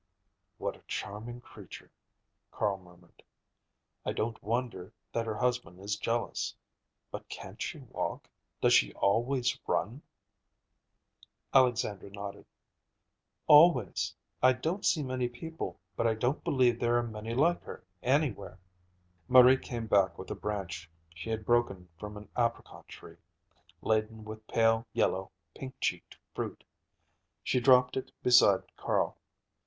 "What a charming creature," Carl murmured. "I don't wonder that her husband is jealous. But can't she walk? does she always run?" Alexandra nodded. "Always. I don't see many people, but I don't believe there are many like her, anywhere." Marie came back with a branch she had broken from an apricot tree, laden with pale yellow, pink cheeked fruit. She dropped it beside Carl.